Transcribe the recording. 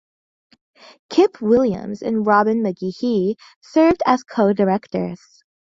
Kip Williams and Robin McGehee served as co-directors.